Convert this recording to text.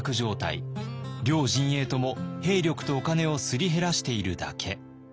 両陣営とも兵力とお金をすり減らしているだけ。